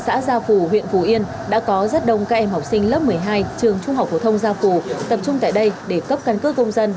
và tập trung tại đây để cấp căn cước công dân và tập trung tại đây để cấp căn cước công dân